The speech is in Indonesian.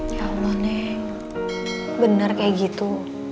ya allah bener kaya gitu